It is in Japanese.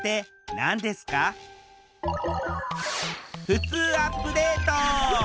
「ふつうアップデート」。